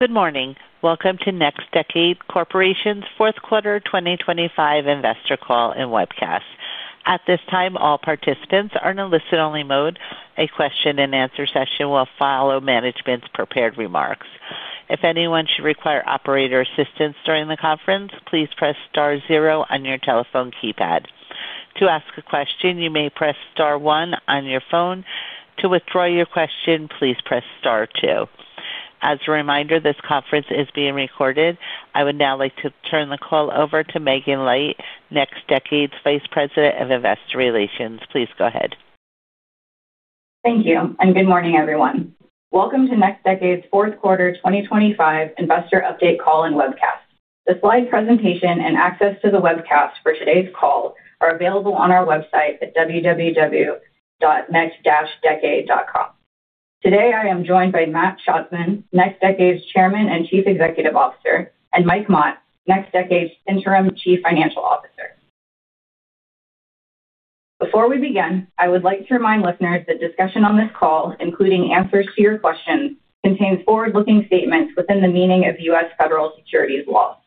Good morning. Welcome to NextDecade Corporation's fourth quarter 2025 investor call and webcast. At this time, all participants are in a listen-only mode. A question-and-answer session will follow management's prepared remarks. If anyone should require operator assistance during the conference, please press star zero on your telephone keypad. To ask a question, you may press star one on your phone. To withdraw your question, please press star two. As a reminder, this conference is being recorded. I would now like to turn the call over to Megan Light, NextDecade's Vice President of Investor Relations. Please go ahead. Thank you, good morning, everyone. Welcome to NextDecade's fourth quarter 2025 investor update call and webcast. The slide presentation and access to the webcast for today's call are available on our website at www.next-decade.com. Today, I am joined by Matt Schatzman, NextDecade's Chairman and Chief Executive Officer, and Mike Mott, NextDecade's Interim Chief Financial Officer. Before we begin, I would like to remind listeners that discussion on this call, including answers to your questions, contains forward-looking statements within the meaning of U.S. Federal Securities Law.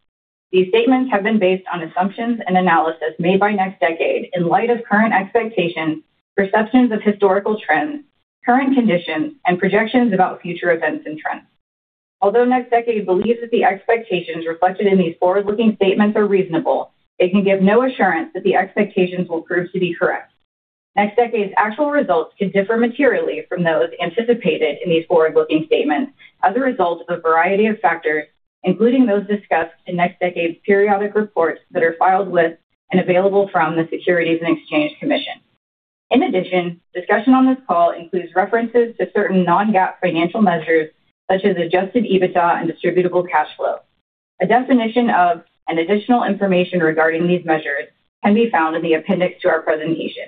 These statements have been based on assumptions and analysis made by NextDecade in light of current expectations, perceptions of historical trends, current conditions, and projections about future events and trends. Although NextDecade believes that the expectations reflected in these forward-looking statements are reasonable, it can give no assurance that the expectations will prove to be correct. NextDecade's actual results could differ materially from those anticipated in these forward-looking statements as a result of a variety of factors, including those discussed in NextDecade's periodic reports that are filed with and available from the Securities and Exchange Commission. Discussion on this call includes references to certain non-GAAP financial measures such as Adjusted EBITDA and Distributable Cash Flow. A definition of and additional information regarding these measures can be found in the appendix to our presentation.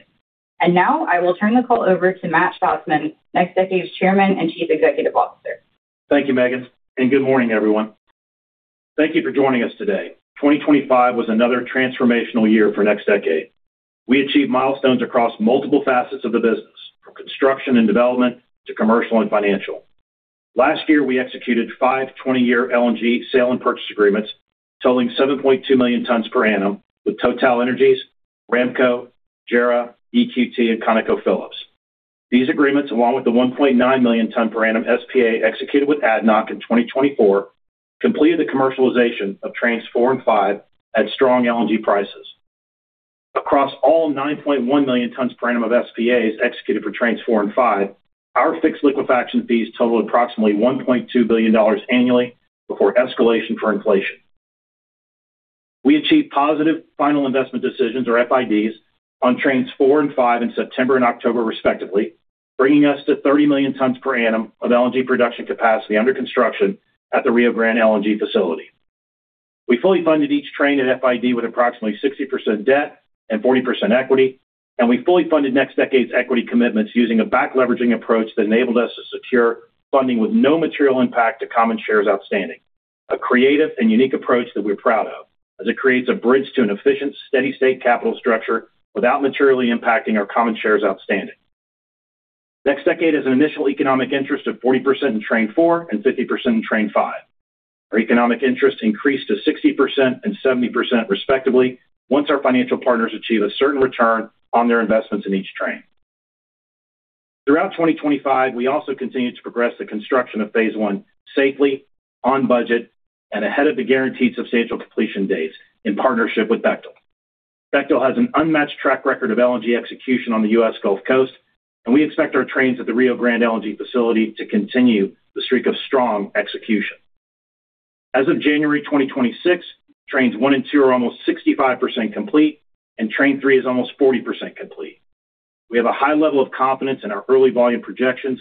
I will turn the call over to Matt Schatzman, NextDecade's Chairman and Chief Executive Officer. Thank you, Megan. Good morning, everyone. Thank you for joining us today. 2025 was another transformational year for NextDecade. We achieved milestones across multiple facets of the business, from construction and development to commercial and financial. Last year, we executed five 20-year LNG sale and purchase agreements totaling 7.2 million tons per annum with TotalEnergies, Aramco, JERA, EQT, and ConocoPhillips. These agreements, along with the 1.9 million ton per annum SPA executed with ADNOC in 2024, completed the commercialization of trains four and five at strong LNG prices. Across all 9.1 million tons per annum of SPAs executed for trains four and five, our fixed liquefaction fees total approximately $1.2 billion annually before escalation for inflation. We achieved positive final investment decisions, or FIDs, on trains four and five in September and October, respectively, bringing us to 30 million tons per annum of LNG production capacity under construction at the Rio Grande LNG facility. We fully funded each train at FID with approximately 60% debt and 40% equity, and we fully funded NextDecade's equity commitments using a back-leveraging approach that enabled us to secure funding with no material impact to common shares outstanding. A creative and unique approach that we're proud of, as it creates a bridge to an efficient, steady state capital structure without materially impacting our common shares outstanding. NextDecade has an initial economic interest of 40% in train four and 50% in train five. Our economic interest increased to 60% and 70%, respectively, once our financial partners achieve a certain return on their investments in each train. Throughout 2025, we also continued to progress the construction of phase I safely, on budget, and ahead of the guaranteed substantial completion dates in partnership with Bechtel. Bechtel has an unmatched track record of LNG execution on the U.S. Gulf Coast. We expect our trains at the Rio Grande LNG facility to continue the streak of strong execution. As of January 2026, trains one and two are almost 65% complete. Train three is almost 40% complete. We have a high level of confidence in our early volume projections.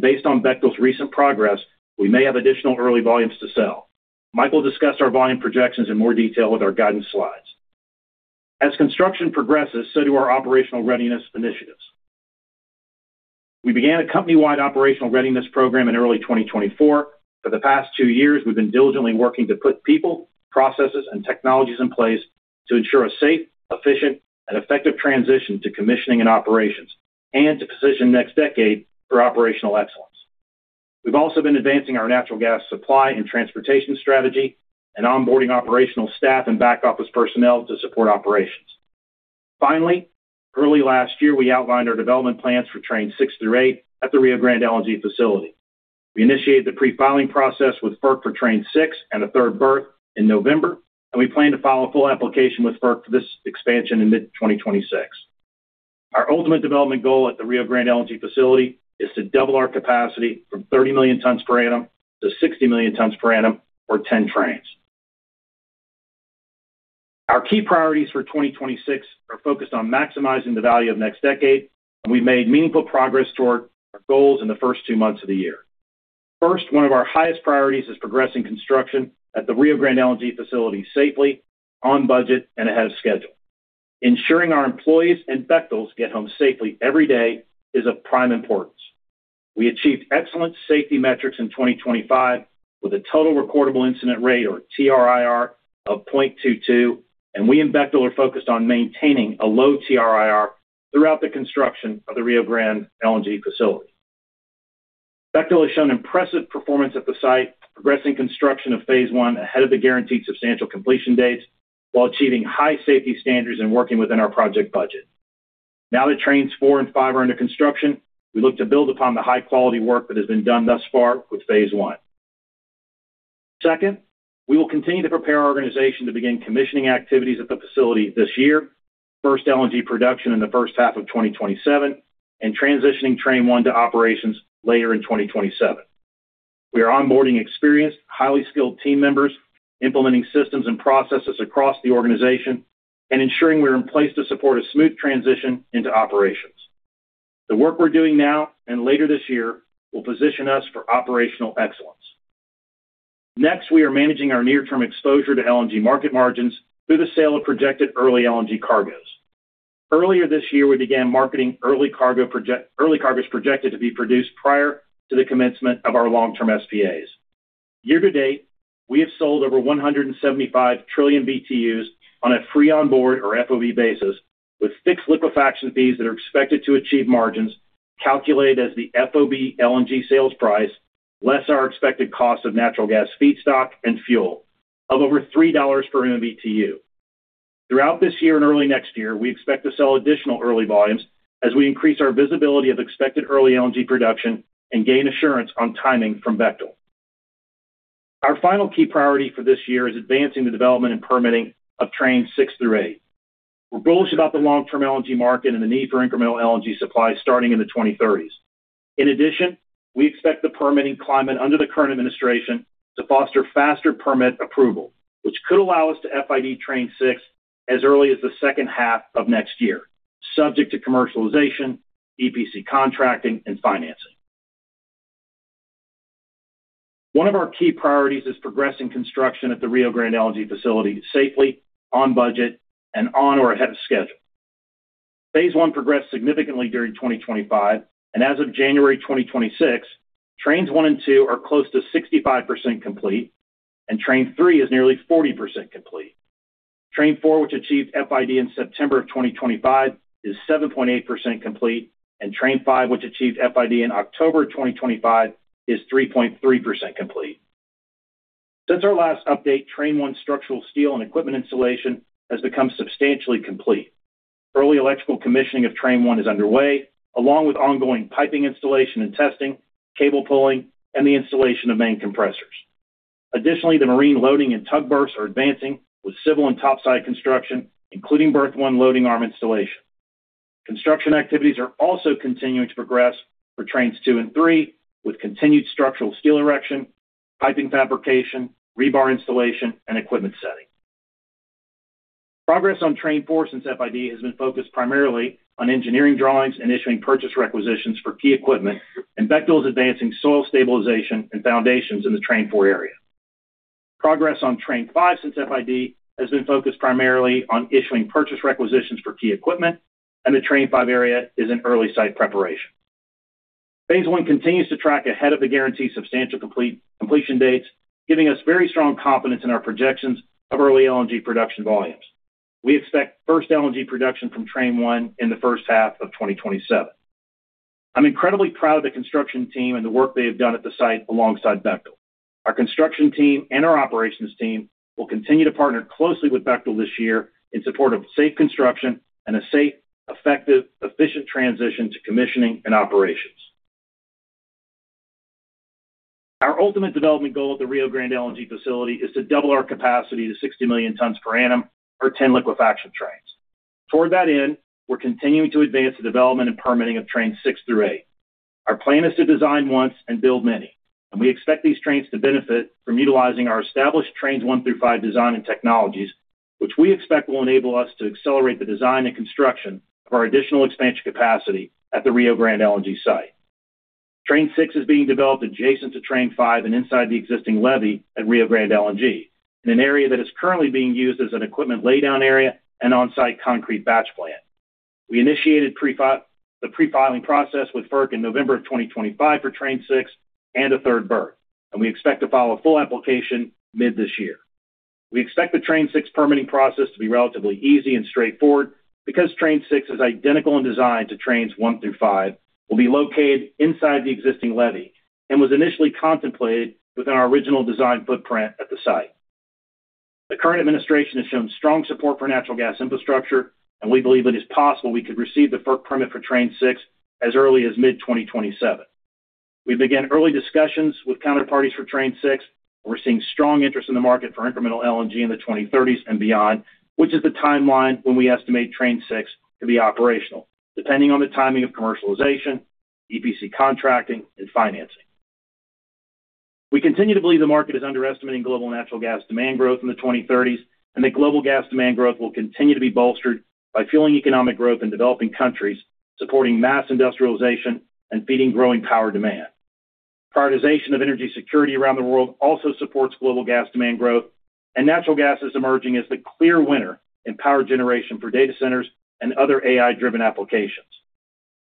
Based on Bechtel's recent progress, we may have additional early volumes to sell. Mike will discuss our volume projections in more detail with our guidance slides. As construction progresses, so do our operational readiness initiatives. We began a company-wide operational readiness program in early 2024. For the past two years, we've been diligently working to put people, processes, and technologies in place to ensure a safe, efficient, and effective transition to commissioning and operations and to position NextDecade for operational excellence. We've also been advancing our natural gas supply and transportation strategy and onboarding operational staff and back-office personnel to support operations. Finally, early last year, we outlined our development plans for trains 6 through eight at the Rio Grande LNG facility. We initiated the pre-filing process with FERC for train six and a third berth in November, and we plan to file a full application with FERC for this expansion in mid-2026. Our ultimate development goal at the Rio Grande LNG facility is to double our capacity from 30 million tons per annum to 60 million tons per annum, or 10 trains. Our key priorities for 2026 are focused on maximizing the value of NextDecade, and we've made meaningful progress toward our goals in the two months of the year. First, one of our highest priorities is progressing construction at the Rio Grande LNG facility safely, on budget, and ahead of schedule. Ensuring our employees and Bechtel's get home safely every day is of prime importance. We achieved excellent safety metrics in 2025 with a Total Recordable Incident Rate, or TRIR, of 0.22, and we and Bechtel are focused on maintaining a low TRIR throughout the construction of the Rio Grande LNG facility. Bechtel has shown impressive performance at the site, progressing construction of phase I ahead of the guaranteed substantial completion dates, while achieving high safety standards and working within our project budget. Now that trains four and five are under construction, we look to build upon the high-quality work that has been done thus far with phase I. Second, we will continue to prepare our organization to begin commissioning activities at the facility this year. First LNG production in the first half of 2027. Transitioning train one to operations later in 2027. We are onboarding experienced, highly skilled team members, implementing systems and processes across the organization, and ensuring we're in place to support a smooth transition into operations. The work we're doing now, and later this year, will position us for operational excellence. Next, we are managing our near-term exposure to LNG market margins through the sale of projected early LNG cargoes. Earlier this year, we began marketing early cargoes projected to be produced prior to the commencement of our long-term SPAs. Year to date, we have sold over 175 trillion BTUs on a free onboard, or FOB, basis, with fixed liquefaction fees that are expected to achieve margins calculated as the FOB LNG sales price, less our expected cost of natural gas feedstock and fuel of over $3 per MMBtu. Throughout this year and early next year, we expect to sell additional early volumes as we increase our visibility of expected early LNG production and gain assurance on timing from Bechtel. Our final key priority for this year is advancing the development and permitting of trains six through eight. We're bullish about the long-term LNG market and the need for incremental LNG supply starting in the 2030s. We expect the permitting climate under the current administration to foster faster permit approval, which could allow us to FID Train six as early as the second half of next year, subject to commercialization, EPC contracting, and financing. One of our key priorities is progressing construction at the Rio Grande LNG facility safely, on budget, and on or ahead of schedule. phase I progressed significantly during 2025. As of January 2026, Trains one and two are close to 65% complete, and Train three is nearly 40% complete. Train four, which achieved FID in September of 2025, is 7.8% complete. Train five, which achieved FID in October of 2025, is 3.3% complete. Since our last update, Train 1 structural steel and equipment installation has become substantially complete. Early electrical commissioning of train one is underway, along with ongoing piping installation and testing, cable pulling, and the installation of main compressors. Additionally, the marine loading and tug berths are advancing with civil and topside construction, including berth one loading arm installation. Construction activities are also continuing to progress for trains two and three, with continued structural steel erection, piping fabrication, rebar installation, and equipment setting. Progress on train four since FID has been focused primarily on engineering drawings and issuing purchase requisitions for key equipment, and Bechtel is advancing soil stabilization and foundations in the train four area. Progress on train five since FID has been focused primarily on issuing purchase requisitions for key equipment, and the train five area is in early site preparation. phase one continues to track ahead of the guaranteed substantial completion dates, giving us very strong confidence in our projections of early LNG production volumes. We expect first LNG production from train one in the first half of 2027. I'm incredibly proud of the construction team and the work they have done at the site alongside Bechtel. Our construction team and our operations team will continue to partner closely with Bechtel this year in support of safe construction and a safe, effective, efficient transition to commissioning and operations. Our ultimate development goal at the Rio Grande LNG facility is to double our capacity to 60 million tons per annum or 10 liquefaction trains. we're continuing to advance the development and permitting of trains six through eight. Our plan is to design once and build many. We expect these trains to benefit from utilizing our established trains one through five design and technologies, which we expect will enable us to accelerate the design and construction of our additional expansion capacity at the Rio Grande LNG site. Train six is being developed adjacent to Train five and inside the existing levee at Rio Grande LNG in an area that is currently being used as an equipment laydown area and on-site concrete batch plant. We initiated the pre-filing process with FERC in November of 2025 for Train six and a third berth. We expect to file a full application mid this year. We expect the train six permitting process to be relatively easy and straightforward because train six is identical in design to trains one through five, will be located inside the existing levee, and was initially contemplated within our original design footprint at the site. We believe it is possible we could receive the FERC permit for train six as early as mid-2027. We began early discussions with counterparties for train six. We're seeing strong interest in the market for incremental LNG in the 2030s and beyond, which is the timeline when we estimate train six to be operational, depending on the timing of commercialization, EPC contracting, and financing. We continue to believe the market is underestimating global natural gas demand growth in the 2030s. That global gas demand growth will continue to be bolstered by fueling economic growth in developing countries, supporting mass industrialization, and feeding growing power demand. Prioritization of energy security around the world also supports global gas demand growth. Natural gas is emerging as the clear winner in power generation for data centers and other AI-driven applications.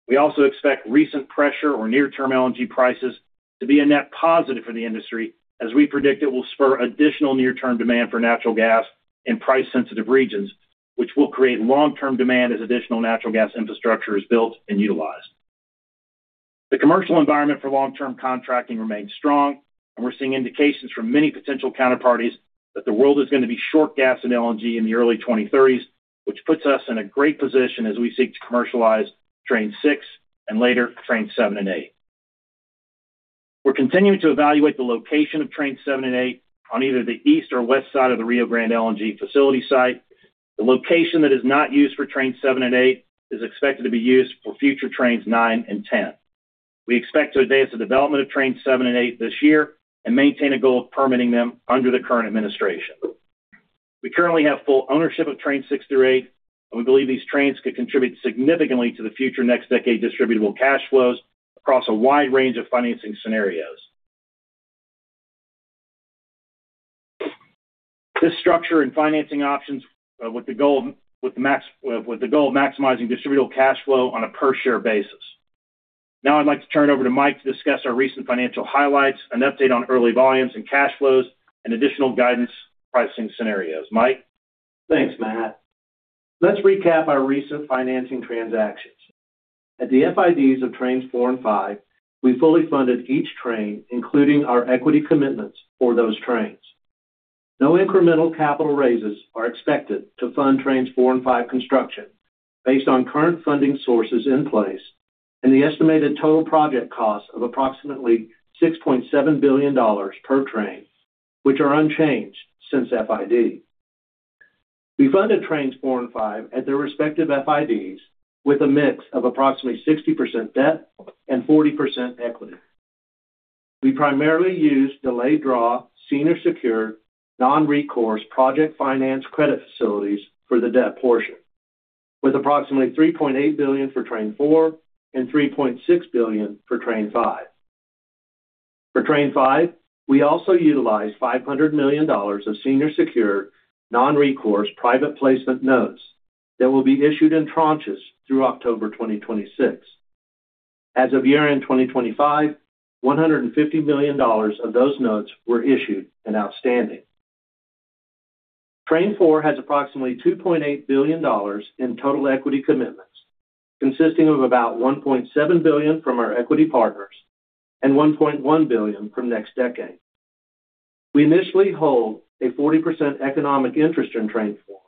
We also expect recent pressure or near-term LNG prices to be a net positive for the industry, as we predict it will spur additional near-term demand for natural gas in price-sensitive regions, which will create long-term demand as additional natural gas infrastructure is built and utilized. The commercial environment for long-term contracting remains strong, and we're seeing indications from many potential counterparties that the world is going to be short gas and LNG in the early 2030s, which puts us in a great position as we seek to commercialize train six and later, trains seven and eight. We're continuing to evaluate the location of trains seven and eight on either the east or west side of the Rio Grande LNG facility site. The location that is not used for trains seven and eight is expected to be used for future trains nine and 10. We expect to advance the development of trains seven and eight this year and maintain a goal of permitting them under the current administration. We currently have full ownership of trains six through eight. We believe these trains could contribute significantly to the future NextDecade Distributable Cash Flows across a wide range of financing scenarios. This structure and financing options, with the goal of maximizing Distributable Cash Flow on a per-share basis. I'd like to turn it over to Mike to discuss our recent financial highlights, an update on early volumes and cash flows, and additional guidance pricing scenarios. Mike? Thanks, Matt. Let's recap our recent financing transactions. At the FIDs of trains four and five, we fully funded each train, including our equity commitments for those trains. No incremental capital raises are expected to fund trains four and five construction based on current funding sources in place and the estimated total project cost of approximately $6.7 billion per train, which are unchanged since FID. We funded trains four and five at their respective FIDs with a mix of approximately 60% debt and 40% equity. We primarily use delayed draw, senior secured, non-recourse project finance credit facilities for the debt portion, with approximately $3.8 billion for train four and $3.6 billion for train five. For train five, we also utilized $500 million of senior secured non-recourse private placement notes that will be issued in tranches through October 2026. As of year-end 2025, $150 million of those notes were issued and outstanding. Train four has approximately $2.8 billion in total equity commitments, consisting of about $1.7 billion from our equity partners and $1.1 billion from NextDecade. We initially hold a 40% economic interest in train four,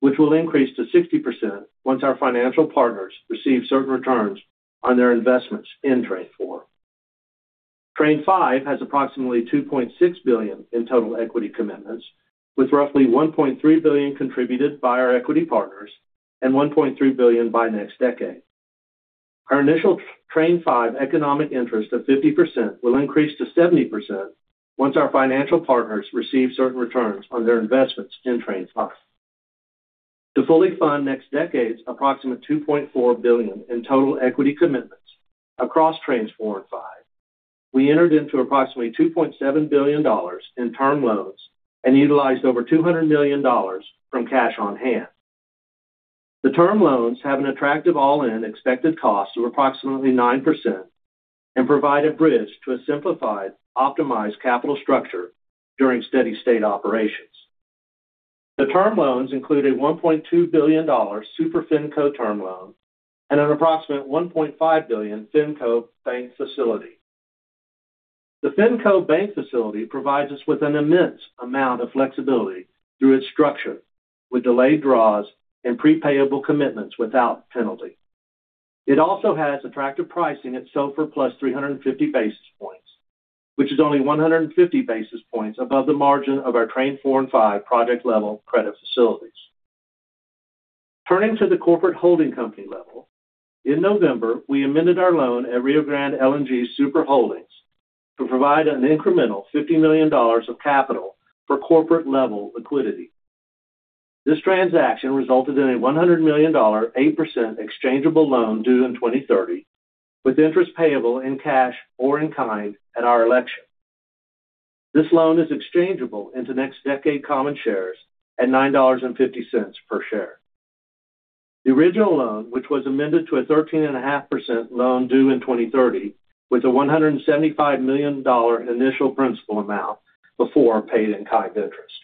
which will increase to 60% once our financial partners receive certain returns on their investments in train four. Train five has approximately $2.6 billion in total equity commitments, with roughly $1.3 billion contributed by our equity partners and $1.3 billion by NextDecade. Our initial train five economic interest of 50% will increase to 70% once our financial partners receive certain returns on their investments in train five. To fully fund NextDecade's approximate $2.4 billion in total equity commitments across trains four and five, we entered into approximately $2.7 billion in term loans and utilized over $200 million from cash on hand. The term loans have an attractive all-in expected cost of approximately 9% and provide a bridge to a simplified, optimized capital structure during steady-state operations. The term loans include a $1.2 billion Super FinCo term loan and an approximate $1.5 billion FinCo bank facility. The FinCo bank facility provides us with an immense amount of flexibility through its structure with delayed draws and pre-payable commitments without penalty. It also has attractive pricing at SOFR plus 350 basis points, which is only 150 basis points above the margin of our train 4 and 5 project-level credit facilities. Turning to the corporate holding company level, in November, we amended our loan at Rio Grande LNG Super Holdings to provide an incremental $50 million of capital for corporate-level liquidity. This transaction resulted in a $100 million, 8% exchangeable loan due in 2030 with interest payable in cash or in kind at our election. This loan is exchangeable into NextDecade common shares at $9.50 per share. The original loan, which was amended to a 13.5% loan due in 2030 with a $175 million initial principal amount before paid-in-kind interest.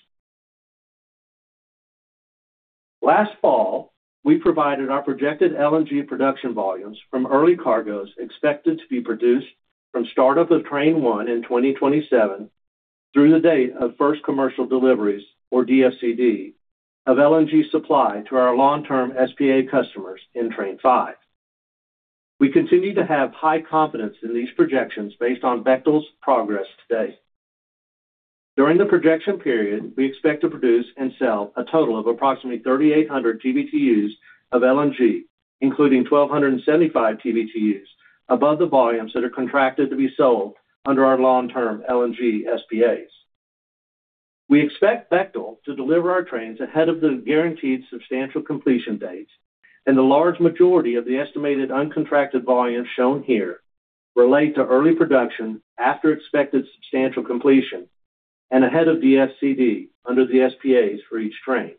Last fall, we provided our projected LNG production volumes from early cargoes expected to be produced from start-up of train one in 2027 through the date of first commercial deliveries, or DFCD, of LNG supply to our long-term SPA customers in train five. We continue to have high confidence in these projections based on Bechtel's progress to date. During the projection period, we expect to produce and sell a total of approximately 3,800 TBtUs of LNG, including 1,275 TBtus, above the volumes that are contracted to be sold under our long-term LNG SPAs. We expect Bechtel to deliver our trains ahead of the guaranteed substantial completion dates, and the large majority of the estimated uncontracted volumes shown here relate to early production after expected substantial completion and ahead of DFCD under the SPAs for each train.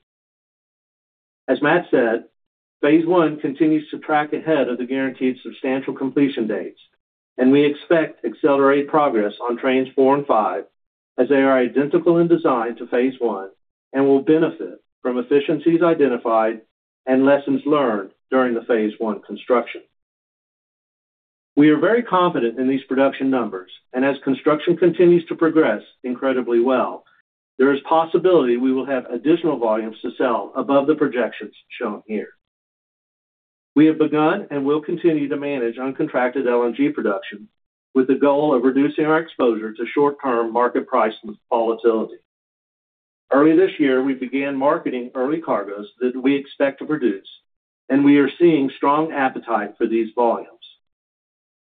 As Matt said, phase I continues to track ahead of the guaranteed substantial completion dates, and we expect accelerated progress on Trains Four and Five as they are identical in design to phase I and will benefit from efficiencies identified and lessons learned during the phase I construction. We are very confident in these production numbers, and as construction continues to progress incredibly well, there is possibility we will have additional volumes to sell above the projections shown here. We have begun and will continue to manage uncontracted LNG production with the goal of reducing our exposure to short-term market price volatility. Early this year, we began marketing early cargos that we expect to produce. We are seeing strong appetite for these volumes.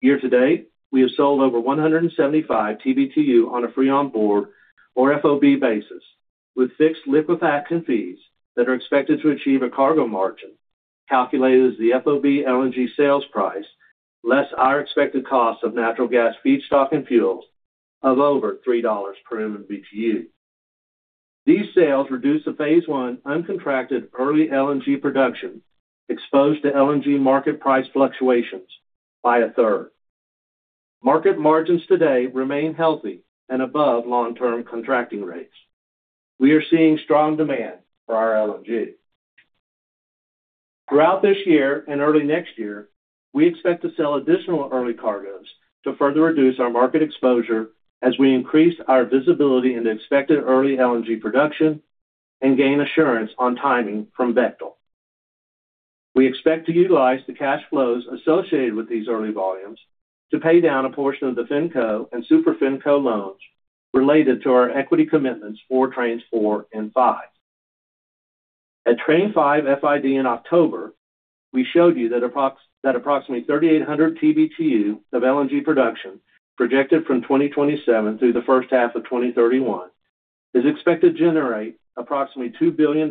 Year to date, we have sold over 175 TBtu on a free on board or FOB basis with fixed liquefaction fees that are expected to achieve a cargo margin calculated as the FOB LNG sales price less our expected cost of natural gas feedstock and fuels of over $3 per MMBtu. These sales reduce the phase I uncontracted early LNG production exposed to LNG market price fluctuations by a third. Market margins today remain healthy and above long-term contracting rates. We are seeing strong demand for our LNG. Throughout this year and early next year, we expect to sell additional early cargos to further reduce our market exposure as we increase our visibility into expected early LNG production and gain assurance on timing from Bechtel. We expect to utilize the cash flows associated with these early volumes to pay down a portion of the FinCo and Super FinCo loans related to our equity commitments for Trains four and five. At Train five FID in October, we showed you that approximately 3,800 TBtu of LNG production projected from 2027 through the first half of 2031 is expected to generate approximately $2 billion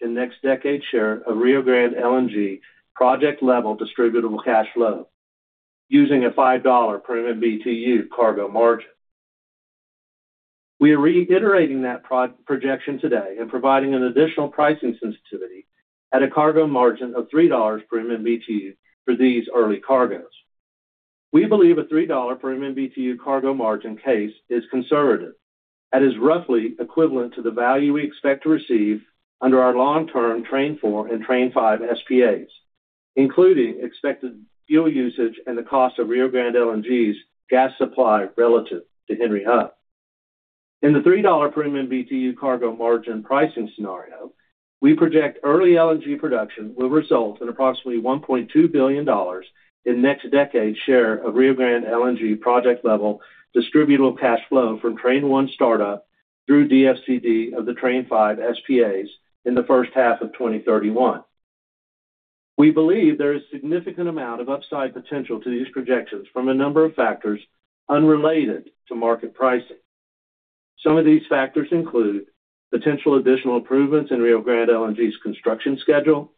in NextDecade's share of Rio Grande LNG project-level distributable cash flow using a $5 per MMBtu cargo margin. We are reiterating that projection today and providing an additional pricing sensitivity at a cargo margin of $3 per MMBtu for these early cargos. We believe a $3 per MMBtu cargo margin case is conservative, that is roughly equivalent to the value we expect to receive under our long-term Train four and Train five SPAs, including expected fuel usage and the cost of Rio Grande LNG's gas supply relative to Henry Hub. In the $3 per MMBtu cargo margin pricing scenario, we project early LNG production will result in approximately $1.2 billion in NextDecade's share of Rio Grande LNG project-level distributable cash flow from Train one startup through DFCD of the Train five SPAs in the first half of 2031. We believe there is significant amount of upside potential to these projections from a number of factors unrelated to market pricing. Some of these factors include potential additional improvements in Rio Grande LNG's construction schedule,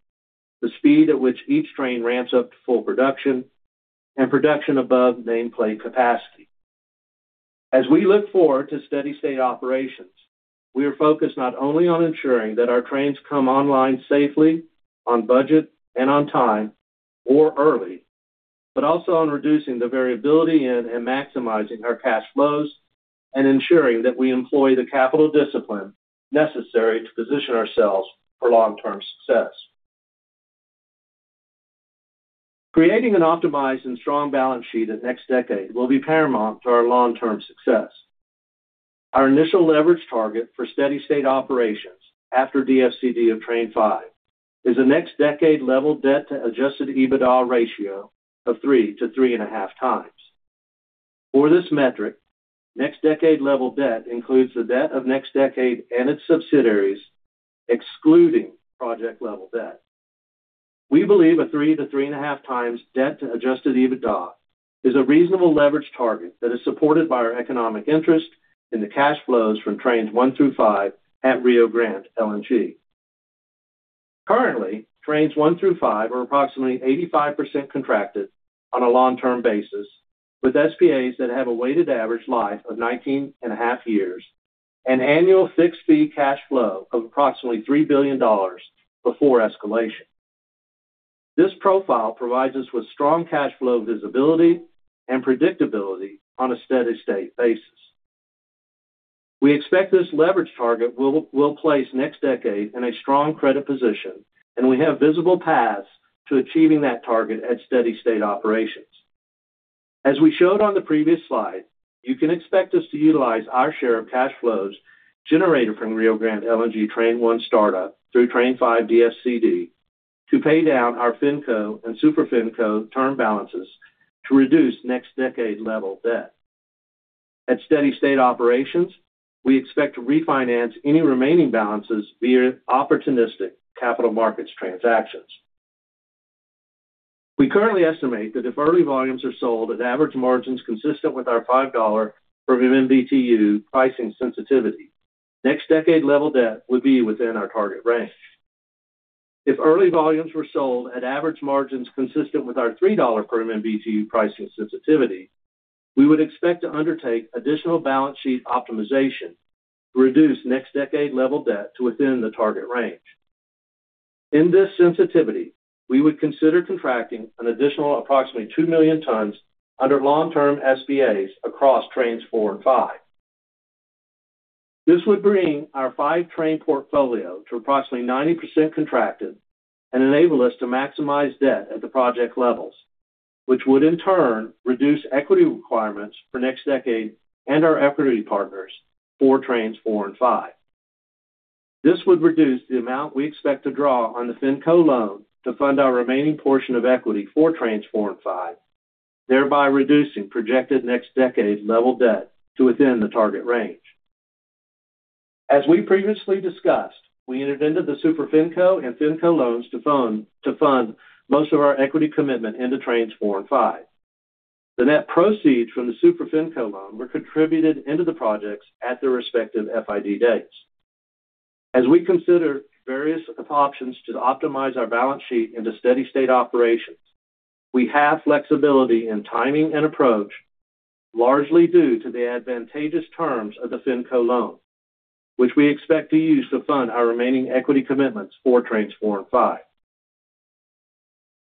the speed at which each train ramps up to full production, and production above nameplate capacity. As we look forward to steady-state operations, we are focused not only on ensuring that our trains come online safely, on budget, and on time or early, but also on reducing the variability in and maximizing our cash flows and ensuring that we employ the capital discipline necessary to position ourselves for long-term success. Creating an optimized and strong balance sheet at NextDecade will be paramount to our long-term success. Our initial leverage target for steady-state operations after DFCD of Train Five is a NextDecade level debt to Adjusted EBITDA ratio of three to 3.5x. For this metric, NextDecade level debt includes the debt of NextDecade and its subsidiaries, excluding project-level debt. We believe a 3 to 3.5x debt to Adjusted EBITDA is a reasonable leverage target that is supported by our economic interest in the cash flows from Trains One through Five at Rio Grande LNG. Currently, Trains One through Five are approximately 85% contracted on a long-term basis with SPAs that have a weighted average life of 19.5 years and annual fixed fee cash flow of approximately $3 billion before escalation. This profile provides us with strong cash flow visibility and predictability on a steady-state basis. We expect this leverage target will place NextDecade in a strong credit position, and we have visible paths to achieving that target at steady-state operations. As we showed on the previous slide, you can expect us to utilize our share of cash flows generated from Rio Grande LNG Train 1 startup through Train five DFCD to pay down our FinCo and Super FinCo term balances to reduce NextDecade level debt. At steady-state operations, we expect to refinance any remaining balances via opportunistic capital markets transactions. We currently estimate that if early volumes are sold at average margins consistent with our $5 per MMBtu pricing sensitivity, NextDecade level debt would be within our target range. If early volumes were sold at average margins consistent with our $3 per MMBtu pricing sensitivity, we would expect to undertake additional balance sheet optimization to reduce NextDecade level debt to within the target range. In this sensitivity, we would consider contracting an additional approximately two million tons under long-term SBAs across trains four and five. This would bring our five train portfolio to approximately 90% contracted and enable us to maximize debt at the project levels, which would in turn reduce equity requirements for NextDecade and our equity partners for trains four and five. This would reduce the amount we expect to draw on the FinCo loan to fund our remaining portion of equity for trains four and five, thereby reducing projected NextDecade's level debt to within the target range. As we previously discussed, we entered into the Super FinCo and FinCo loans to fund most of our equity commitment into trains four and five. The net proceeds from the Super FinCo loan were contributed into the projects at their respective FID dates. As we consider various options to optimize our balance sheet into steady-state operations, we have flexibility in timing and approach, largely due to the advantageous terms of the FinCo loan, which we expect to use to fund our remaining equity commitments for trains four and five.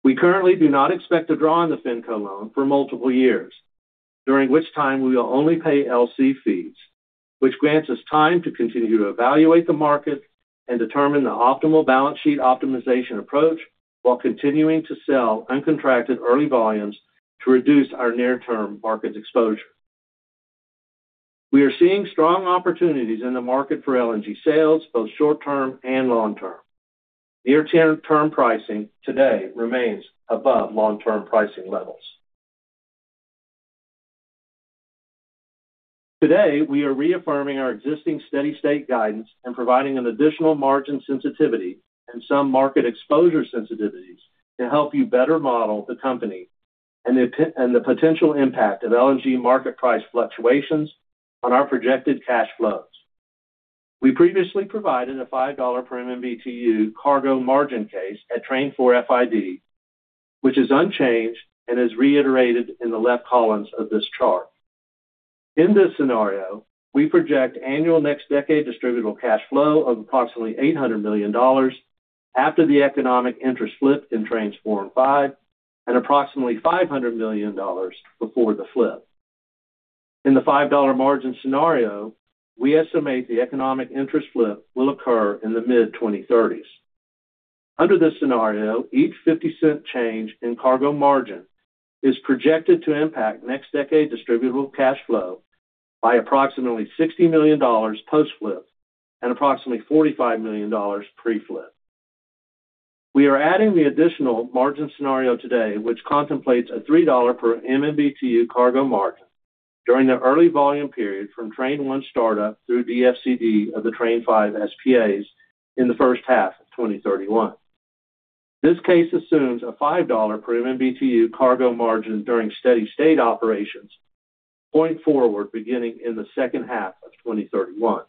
We currently do not expect to draw on the FinCo loan for multiple years, during which time we will only pay LC fees, which grants us time to continue to evaluate the market and determine the optimal balance sheet optimization approach while continuing to sell uncontracted early volumes to reduce our near-term market exposure. We are seeing strong opportunities in the market for LNG sales, both short-term and long-term. Near-term pricing today remains above long-term pricing levels. Today, we are reaffirming our existing steady-state guidance and providing an additional margin sensitivity and some market exposure sensitivities to help you better model the company and the potential impact of LNG market price fluctuations on our projected cash flows. We previously provided a $5 per MMBtu cargo margin case at train four FID, which is unchanged and is reiterated in the left columns of this chart. In this scenario, we project annual NextDecade Distributable Cash Flow of approximately $800 million after the economic interest flip in trains four and five, and approximately $500 million before the flip. In the $5 margin scenario, we estimate the economic interest flip will occur in the mid-2030s. Under this scenario, each $0.50 change in cargo margin is projected to impact NextDecade Distributable Cash Flow by approximately $60 million post-flip and approximately $45 million pre-flip. We are adding the additional margin scenario today, which contemplates a $3 per MMBtu cargo margin during the early volume period from train one startup through DFCD of the train five SPAs in the first half of 2031. This case assumes a $5 per MMBtu cargo margin during steady-state operations going forward, beginning in the second half of 2031.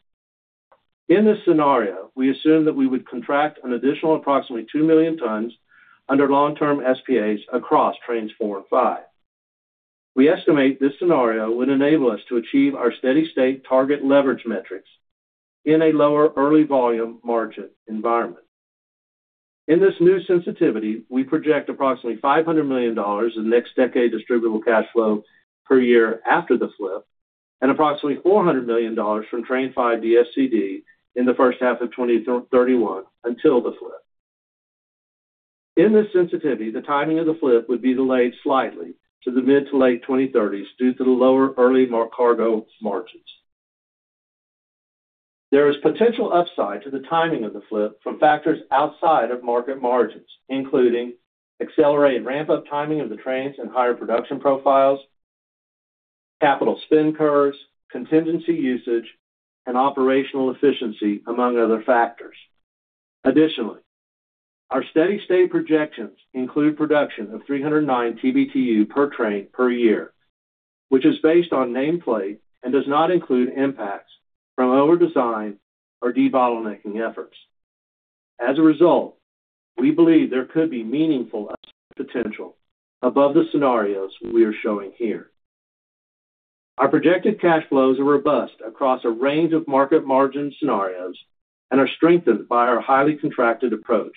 In this scenario, we assume that we would contract an additional approximately two million tons under long-term SPAs across trains four and five. We estimate this scenario would enable us to achieve our steady-state target leverage metrics in a lower early volume margin environment. In this new sensitivity, we project approximately $500 million in NextDecade Distributable Cash Flow per year after the flip, and approximately $400 million from train five DFCD in the first half of 2031 until the flip. In this sensitivity, the timing of the flip would be delayed slightly to the mid to late 2030s due to the lower early cargo margins. There is potential upside to the timing of the flip from factors outside of market margins, including accelerated ramp-up timing of the trains and higher production profiles, capital spend curves, contingency usage, and operational efficiency, among other factors. Our steady-state projections include production of 309 TBtu per train per year, which is based on nameplate and does not include impacts from overdesign or debottlenecking efforts. We believe there could be meaningful upside potential above the scenarios we are showing here. Our projected cash flows are robust across a range of market margin scenarios and are strengthened by our highly contracted approach,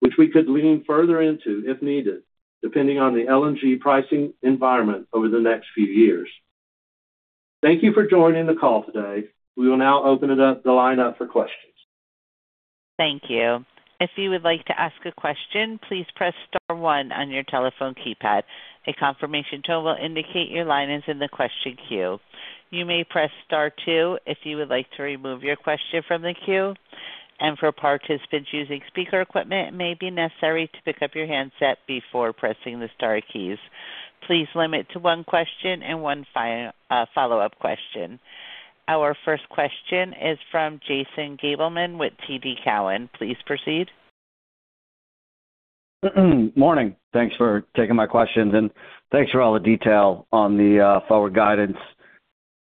which we could lean further into if needed, depending on the LNG pricing environment over the next few years. Thank you for joining the call today. We will now open the line up for questions. Thank you. If you would like to ask a question, please press star one on your telephone keypad. A confirmation tone will indicate your line is in the question queue. You may press Star two if you would like to remove your question from the queue. For participants using speaker equipment, it may be necessary to pick up your handset before pressing the star keys. Please limit to one question and one follow-up question. Our first question is from Jason Gabelman with TD Cowen. Please proceed. Morning. Thanks for taking my questions, thanks for all the detail on the forward guidance.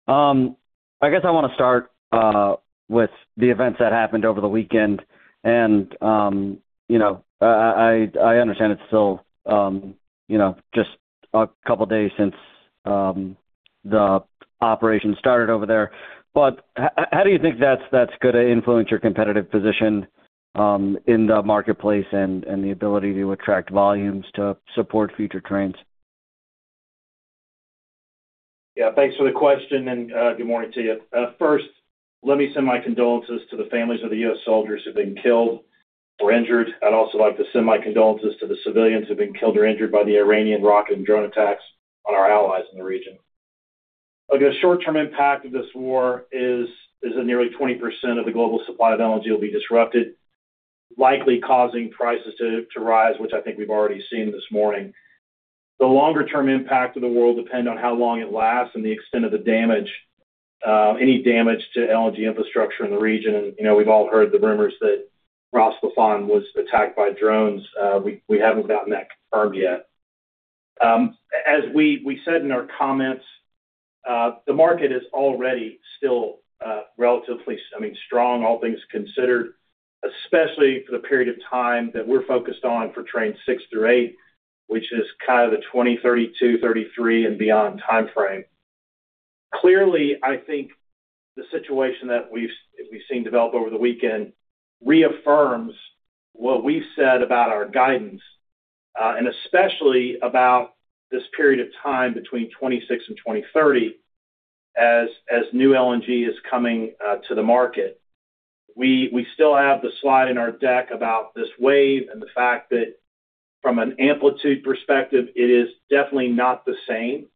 I guess I want to start with the events that happened over the weekend and, you know, I understand it's still, you know, just a couple of days since the operation started over there, how do you think that's gonna influence your competitive position in the marketplace and the ability to attract volumes to support future trains? Thanks for the question and good morning to you. First, let me send my condolences to the families of the U.S. soldiers who've been killed or injured. I'd also like to send my condolences to the civilians who've been killed or injured by the Iranian rocket and drone attacks on our allies in the region. The short-term impact of this war is that nearly 20% of the global supply of LNG will be disrupted, likely causing prices to rise, which I think we've already seen this morning. The longer-term impact of the war will depend on how long it lasts and the extent of the damage, any damage to LNG infrastructure in the region. You know, we've all heard the rumors that Ras Laffan was attacked by drones. We haven't gotten that confirmed yet. As we said in our comments, the market is already still, relatively, I mean, strong, all things considered, especially for the period of time that we're focused on for train six through eight, which is kind of the 2032, 2033 and beyond timeframe. Clearly, I think the situation that we've seen develop over the weekend reaffirms what we've said about our guidance, and especially about this period of time between 2026 and 2030 as new LNG is coming, to the market. We still have the slide in our deck about this wave and the fact that from an amplitude perspective, it is definitely not the same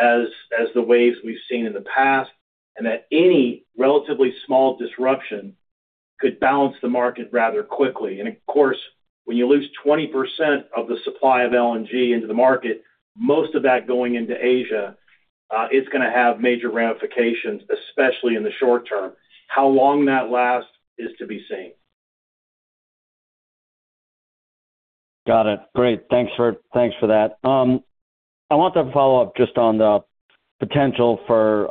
as the waves we've seen in the past, and that any relatively small disruption could balance the market rather quickly. Of course, when you lose 20% of the supply of LNG into the market, most of that going into Asia, it's gonna have major ramifications, especially in the short term. How long that lasts is to be seen. Got it. Great. Thanks for that. I want to follow up just on the potential for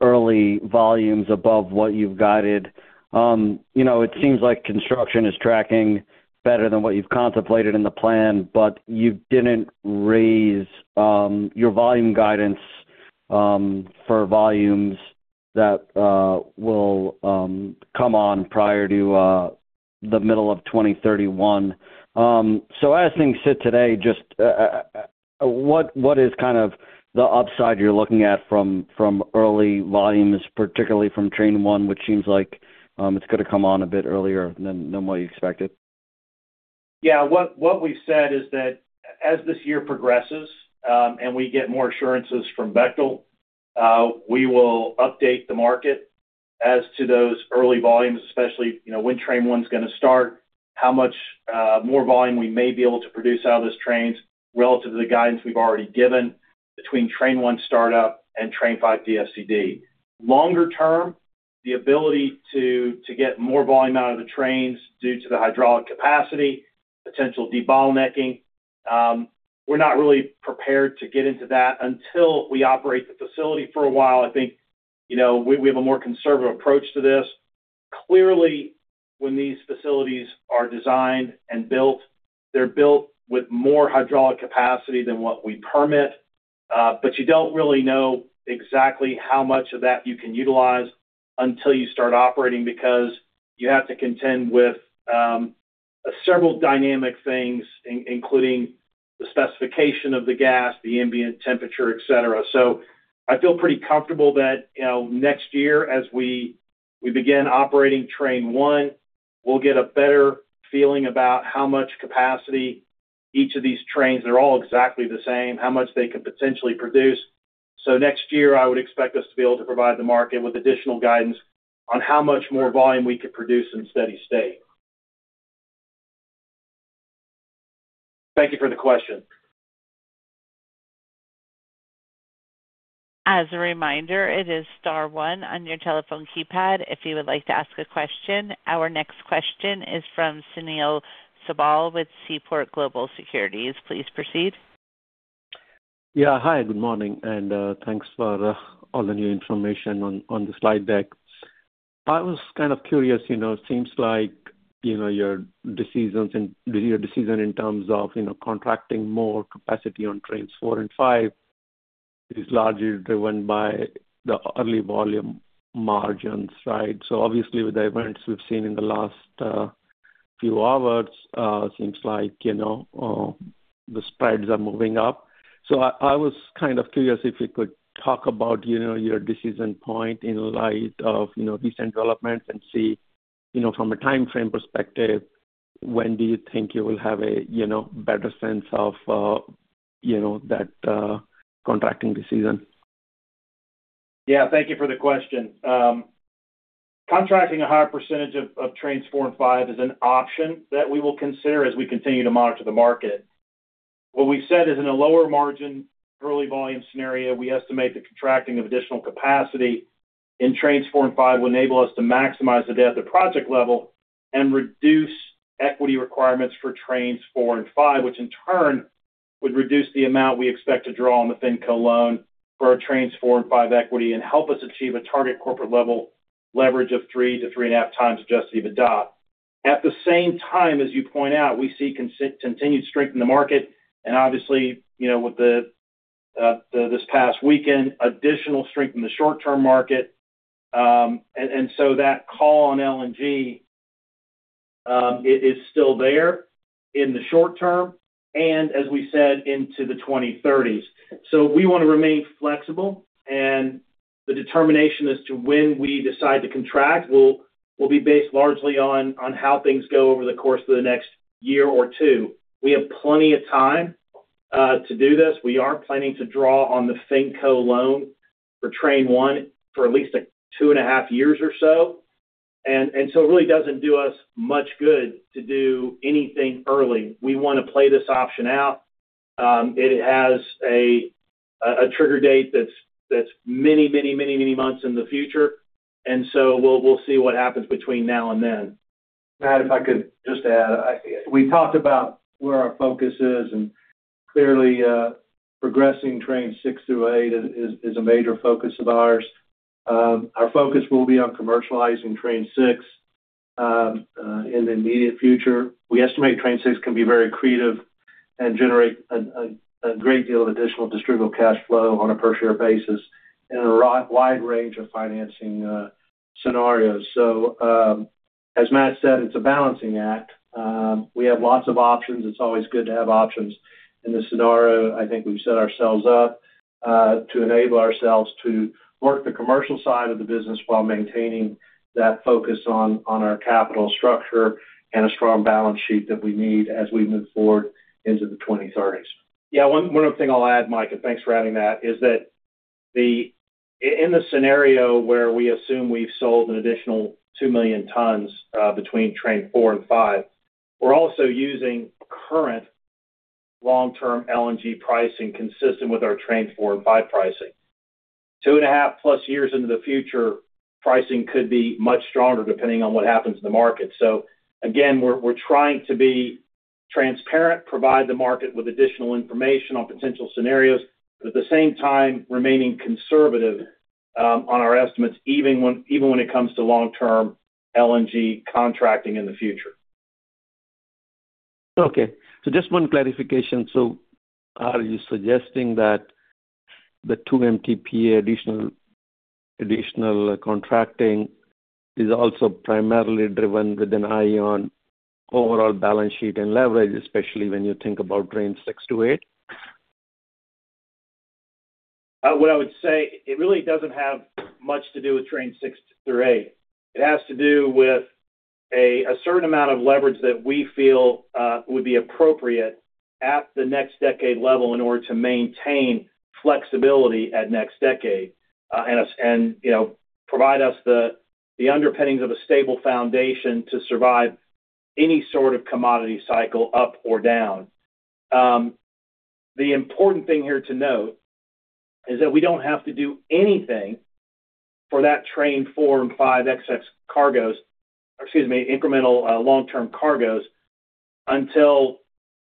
early volumes above what you've guided. You know, it seems like construction is tracking better than what you've contemplated in the plan, but you didn't raise your volume guidance for volumes that will come on prior to the middle of 2031. As things sit today, what is kind of the upside you're looking at from early volumes, particularly from train one, which seems like it's gonna come on a bit earlier than what you expected? Yeah. What we've said is that as this year progresses, and we get more assurances from Bechtel, we will update the market as to those early volumes, especially, you know, when train one's gonna start, how much more volume we may be able to produce out of those trains relative to the guidance we've already given between train one startup and train five DFCD. Longer term, the ability to get more volume out of the trains due to the hydraulic capacity, potential debottlenecking, we're not really prepared to get into that until we operate the facility for a while. I think, you know, we have a more conservative approach to this. Clearly, when these facilities are designed and built, they're built with more hydraulic capacity than what we permit. You don't really know exactly how much of that you can utilize until you start operating because you have to contend with several dynamic things, including the specification of the gas, the ambient temperature, et cetera. I feel pretty comfortable that, you know, next year, as we begin operating Train one, we'll get a better feeling about how much capacity each of these trains, they're all exactly the same, how much they could potentially produce. Next year, I would expect us to be able to provide the market with additional guidance on how much more volume we could produce in steady state. Thank you for the question. As a reminder, it is star one on your telephone keypad if you would like to ask a question. Our next question is from Sunil Sibal with Seaport Global Securities. Please proceed. Yeah. Hi, good morning, thanks for all the new information on the slide deck. I was kind of curious, you know, it seems like, you know, your decision in terms of, you know, contracting more capacity on trains four and five is largely driven by the early volume margins, right? Obviously with the events we've seen in the last few hours, seems like, you know, the spreads are moving up. I was kind of curious if you could talk about, you know, your decision point in light of, you know, these developments and see, you know, from a timeframe perspective, when do you think you will have a, you know, better sense of, you know, that contracting decision? Yeah. Thank you for the question. Contracting a higher percentage of trains four and five is an option that we will consider as we continue to monitor the market. What we've said is in a lower margin, early volume scenario, we estimate the contracting of additional capacity in trains four and five will enable us to maximize the debt at the project level and reduce equity requirements for trains four and five, which in turn would reduce the amount we expect to draw on the FinCo loan for our trains four and five equity and help us achieve a target corporate level leverage of 3 to 3.5x Adjusted EBITDA. At the same time, as you point out, we see continued strength in the market and obviously, you know, with this past weekend, additional strength in the short-term market. That call on LNG, it is still there in the short term and as we said, into the 2030s. We wanna remain flexible and the determination as to when we decide to contract will be based largely on how things go over the course of the next year or two. We have plenty of time to do this. We aren't planning to draw on the FinCo loan for Train one for at least 2.5 years or so. It really doesn't do us much good to do anything early. We wanna play this option out. It has a trigger date that's many months in the future. We'll see what happens between now and then. Matt, if I could just add. We talked about where our focus is, clearly, progressing trains six through eight is a major focus of ours. Our focus will be on commercializing train six in the immediate future. We estimate train six can be very accretive and generate a great deal of additional Distributable Cash Flow on a per share basis in a wide range of financing scenarios. As Matt said, it's a balancing act. We have lots of options. It's always good to have options. In this scenario, I think we've set ourselves up to enable ourselves to work the commercial side of the business while maintaining that focus on our capital structure and a strong balance sheet that we need as we move forward into the 2030s. Yeah. One other thing I'll add, Mike, thanks for adding that, is that in the scenario where we assume we've sold an additional two million tons between Train four and five, we're also using current long-term LNG pricing consistent with our Train four and five pricing. Two and a half plus years into the future, pricing could be much stronger depending on what happens in the market. Again, we're trying to be transparent, provide the market with additional information on potential scenarios, but at the same time remaining conservative on our estimates, even when it comes to long-term LNG contracting in the future. Okay. just one clarification. Are you suggesting that the two MTPA additional contracting is also primarily driven with an eye on overall balance sheet and leverage, especially when you think about trains six to eight? What I would say, it really doesn't have much to do with trains six through eight. It has to do with a certain amount of leverage that we feel would be appropriate at the NextDecade level in order to maintain flexibility at NextDecade, and, you know, provide us the underpinnings of a stable foundation to survive any sort of commodity cycle up or down. The important thing here to note is that we don't have to do anything for that train four and five excess cargoes, excuse me, incremental long-term cargoes, until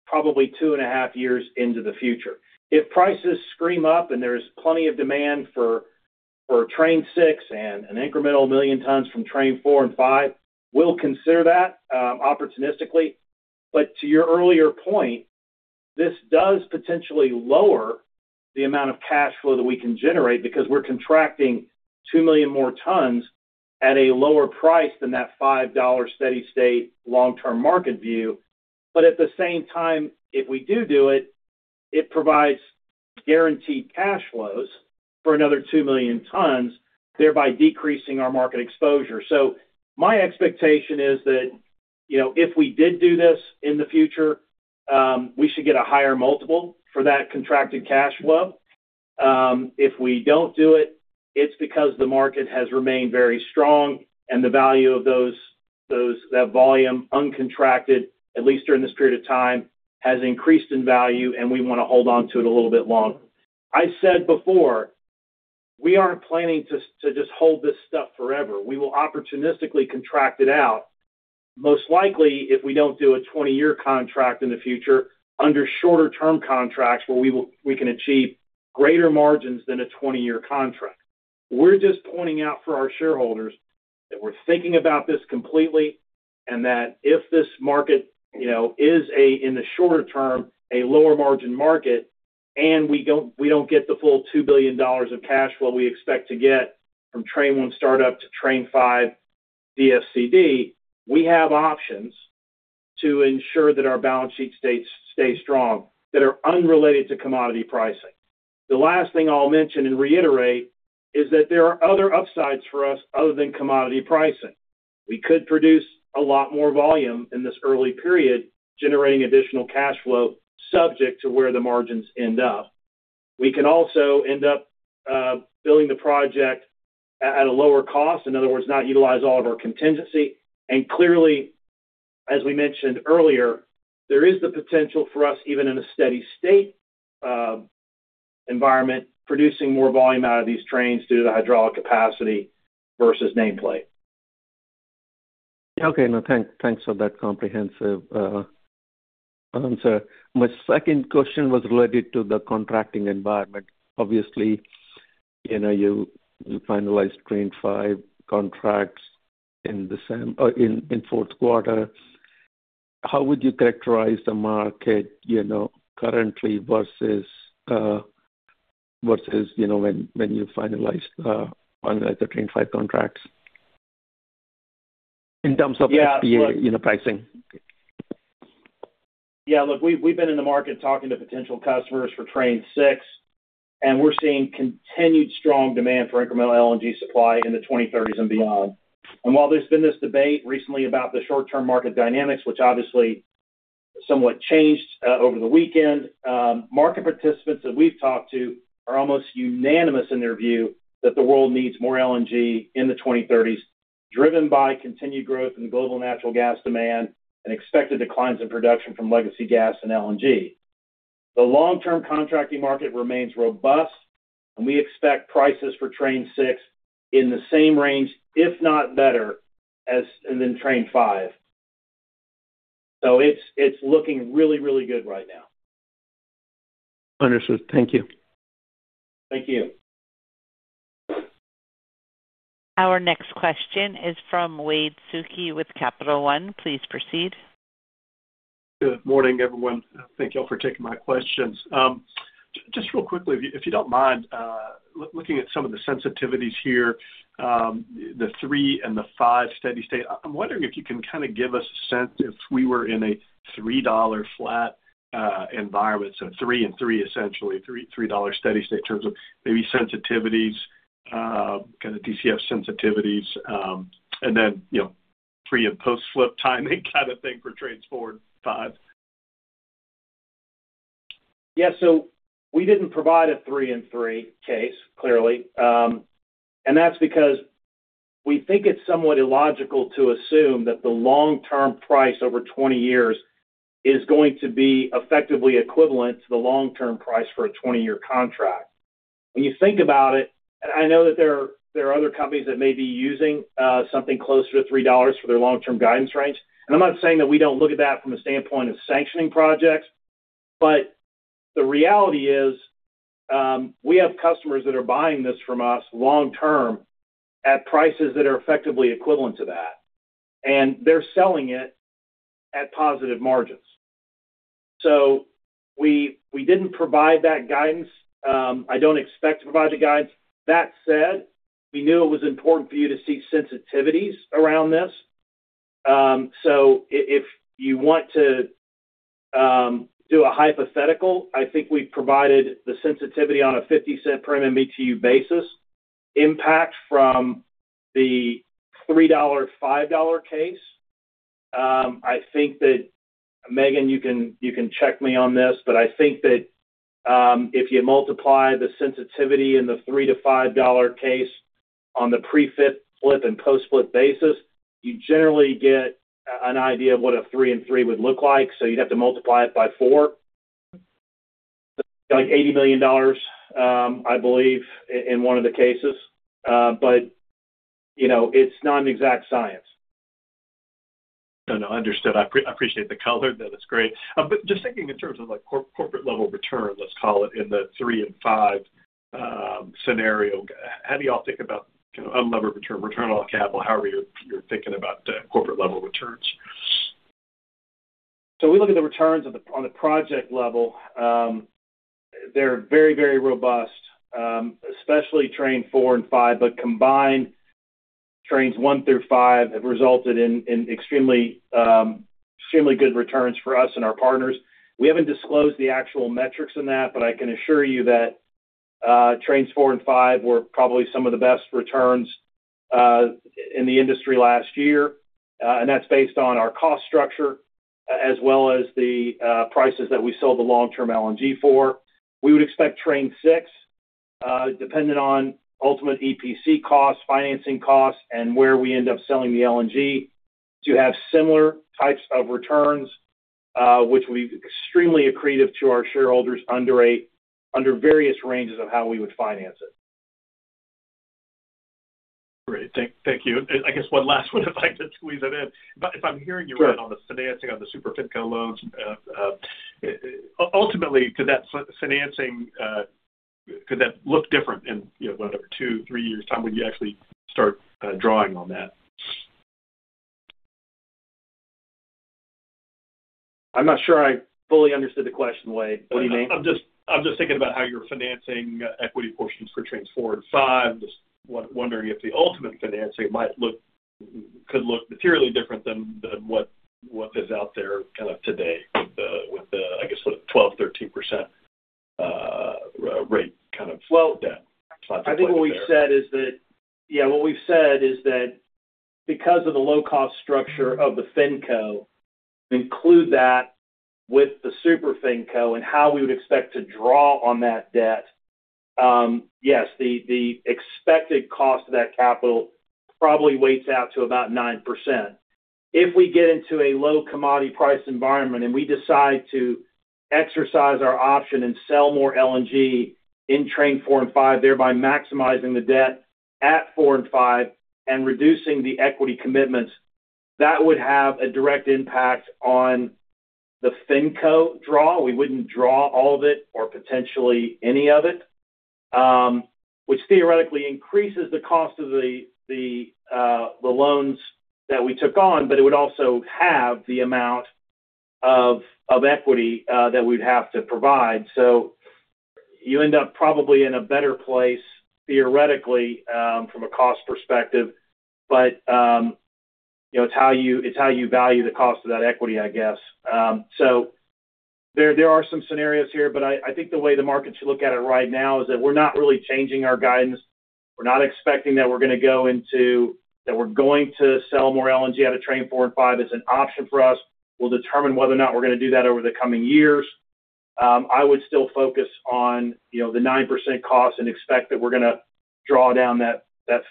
probably two and a half years into the future. If prices scream up and there's plenty of demand for train six and an incremental million tons from train four and five, we'll consider that opportunistically. To your earlier point, this does potentially lower the amount of cash flow that we can generate because we're contracting two million more tons at a lower price than that $5 steady-state long-term market view. At the same time, if we do do it provides guaranteed cash flows for another two million tons, thereby decreasing our market exposure. My expectation is that, you know, if we did do this in the future, we should get a higher multiple for that contracted cash flow. If we don't do it's because the market has remained very strong and the value of those that volume uncontracted, at least during this period of time, has increased in value, and we wanna hold on to it a little bit longer. I said before, we aren't planning to just hold this stuff forever. We will opportunistically contract it out, most likely if we don't do a 20-year contract in the future under shorter-term contracts where we can achieve greater margins than a 20-year contract. We're just pointing out for our shareholders that we're thinking about this completely, and that if this market, you know, is a, in the shorter term, a lower margin market and we don't, we don't get the full $2 billion of cash flow we expect to get from Train one startup to Tran five DFCD, we have options to ensure that our balance sheet stays strong that are unrelated to commodity pricing. The last thing I'll mention and reiterate is that there are other upsides for us other than commodity pricing. We could produce a lot more volume in this early period, generating additional cash flow subject to where the margins end up. We can also end up building the project at a lower cost, in other words, not utilize all of our contingency. Clearly, as we mentioned earlier, there is the potential for us, even in a steady state environment, producing more volume out of these trains due to the hydraulic capacity versus nameplate. Okay. No, thanks for that comprehensive answer. My second question was related to the contracting environment. Obviously, you know, you finalized train five contracts in fourth quarter. How would you characterize the market, you know, currently versus, you know, when you finalized on the train five contracts? In terms of. Yeah. you know, pricing. Yeah. Look, we've been in the market talking to potential customers for train six, and we're seeing continued strong demand for incremental LNG supply in the 2030s and beyond. While there's been this debate recently about the short-term market dynamics, which obviously somewhat changed over the weekend, market participants that we've talked to are almost unanimous in their view that the world needs more LNG in the 2030s, driven by continued growth in global natural gas demand and expected declines in production from legacy gas and LNG. The long-term contracting market remains robust, and we expect prices for train 6 in the same range, if not better, than train five. It's looking really, really good right now. Understood. Thank you. Thank you. Our next question is from Wade Suki with Capital One. Please proceed. Good morning, everyone. Thank you all for taking my questions. Just real quickly, if you, if you don't mind, looking at some of the sensitivities here, the three and the five steady state, I'm wondering if you can kind of give us a sense if we were in a $3 flat environment, so three and three, essentially three $3 steady state in terms of maybe sensitivities, kind of DCF sensitivities, and then, you know, pre- and post-flip timing kind of thing for trains four and five. Yeah. We didn't provide a three and three case, clearly. That's because we think it's somewhat illogical to assume that the long-term price over 20 years is going to be effectively equivalent to the long-term price for a 20-year contract. When you think about it, I know that there are other companies that may be using something closer to $3 for their long-term guidance range. I'm not saying that we don't look at that from a standpoint of sanctioning projects, but the reality is, we have customers that are buying this from us long term at prices that are effectively equivalent to that, and they're selling it at positive margins. We didn't provide that guidance. I don't expect to provide the guidance. That said, we knew it was important for you to see sensitivities around this. If you want to do a hypothetical, I think we provided the sensitivity on a $0.50 per MMBtu basis impact from the $3, $5 case. I think that, Megan, you can check me on this, but I think that if you multiply the sensitivity in the $3-$5 case on the pre-fit, flip, and post-split basis, you generally get an idea of what a would look like. You'd have to multiply it by four. Like $80 million, I believe in one of t cases. You know, it's not an exact science. No, no. Understood. I appreciate the color, though. That's great. Just thinking in terms of, like, corporate level return, let's call it, in the three and five scenario, how do y'all think about kind of unlevered return on capital? However you're thinking about the corporate level returns. We look at the returns on the project level. They're very, very robust, especially train four and five, but combined, trains one through five have resulted in extremely good returns for us and our partners. We haven't disclosed the actual metrics in that, but I can assure you that trains four and five were probably some of the best returns in the industry last year. That's based on our cost structure as well as the prices that we sold the long-term LNG for. We would expect train six, dependent on ultimate EPC costs, financing costs, and where we end up selling the LNG to have similar types of returns, which will be extremely accretive to our shareholders under various ranges of how we would finance it. Great. Thank you. I guess one last one, if I could squeeze it in? Sure. If I'm hearing you right on the financing of the Super FinCo loans, ultimately, could that financing, could that look different in, you know, whatever, two, three years' time when you actually start, drawing on that? I'm not sure I fully understood the question, Wade. What do you mean? I'm just thinking about how you're financing equity portions for trains four and five. Wondering if the ultimate financing could look materially different than what is out there kind of today with the, with the, I guess, the 12%, 13% rate. Well- -debt. I think what we've said is that. Because of the low cost structure of the FinCo, include that with the Super FinCo and how we would expect to draw on that debt. Yes, the expected cost of that capital probably weights out to about 9%. If we get into a low commodity price environment and we decide to exercise our option and sell more LNG in train four and five, thereby maximizing the debt at four and five and reducing the equity commitments, that would have a direct impact on the FinCo draw. We wouldn't draw all of it or potentially any of it, which theoretically increases the cost of the loans that we took on, but it would also halve the amount of equity that we'd have to provide. You end up probably in a better place theoretically, from a cost perspective. You know, it's how you, it's how you value the cost of that equity, I guess. There, there are some scenarios here, but I think the way the market should look at it right now is that we're not really changing our guidance. We're not expecting that we're going to sell more LNG out of train four and five. It's an option for us. We'll determine whether or not we're gonna do that over the coming years. I would still focus on, you know, the 9% cost and expect that we're gonna draw down that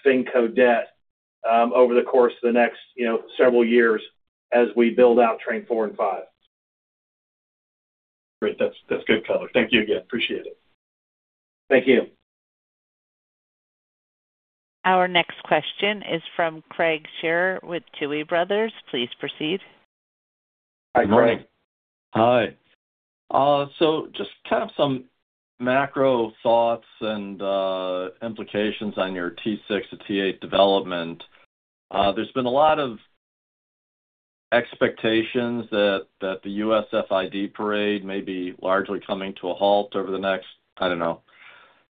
FinCo debt, over the course of the next, you know, several years as we build out train four and five. Great. That's good color. Thank you again. Appreciate it. Thank you. Our next question is from Craig Shere with Tuohy Brothers. Please proceed. Hi, Craig. Good morning. Hi. Just kind of some macro thoughts and implications on your T six to T eight development. There's been a lot of expectations that the U.S. FID parade may be largely coming to a halt over the next, I don't know,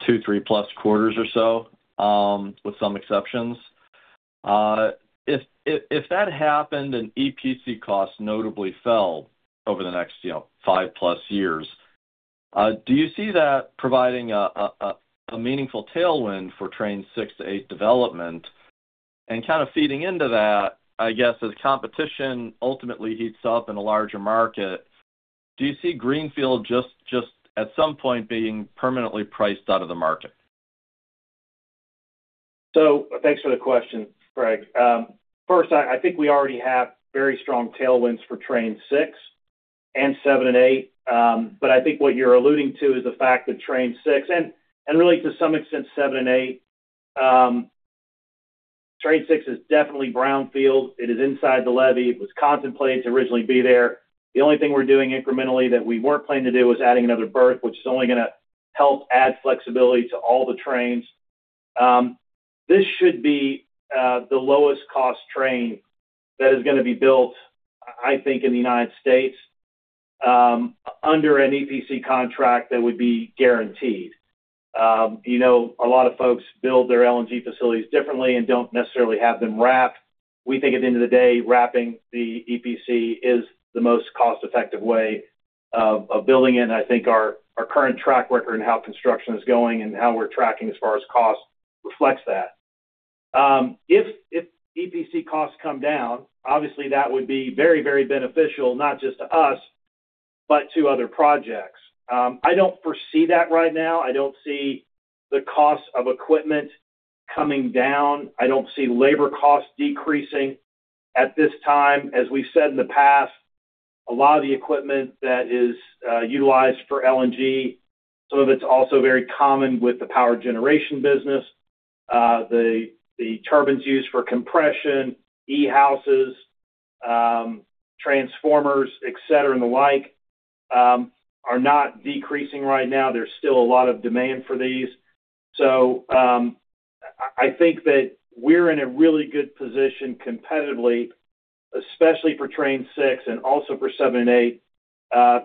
two, three plus quarters or so, with some exceptions. If that happened and EPC costs notably fell over the next, you know, five plus years, do you see that providing a meaningful tailwind for Train six to eight development? Kind of feeding into that, I guess, as competition ultimately heats up in a larger market, do you see Greenfield just at some point being permanently priced out of the market? Thanks for the question, Craig Shere. First, I think we already have very strong tailwinds for train six and seven and eight. I think what you're alluding to is the fact that train six and really to some extent seven and eight. Train six is definitely brownfield. It is inside the levee. It was contemplated to originally be there. The only thing we're doing incrementally that we weren't planning to do was adding another berth, which is only gonna help add flexibility to all the trains. This should be the lowest cost train that is gonna be built, I think, in the United States, under an EPC contract that would be guaranteed. You know, a lot of folks build their LNG facilities differently and don't necessarily have them wrapped. We think at the end of the day, wrapping the EPC is the most cost-effective way of building it. I think our current track record and how construction is going and how we're tracking as far as cost reflects that. If EPC costs come down, obviously that would be very, very beneficial, not just to us, but to other projects. I don't foresee that right now. I don't see the cost of equipment coming down. I don't see labor costs decreasing at this time. As we've said in the past, a lot of the equipment that is utilized for LNG, some of it's also very common with the power generation business. The turbines used for compression, E-Houses, transformers, et cetera, and the like, are not decreasing right now. There's still a lot of demand for these. I think that we're in a really good position competitively, especially for train six and also for seven and eight